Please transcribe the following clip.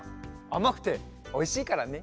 あまくておいしいからね。